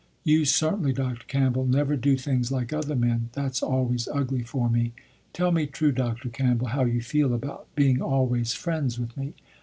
You certainly, Dr. Campbell, never do things like other men, that's always ugly for me. Tell me true, Dr. Campbell, how you feel about being always friends with me.